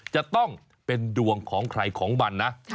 จะต้องเป็นดวงของใครของมันนะ